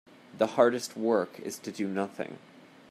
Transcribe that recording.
The hardest work is to do nothing.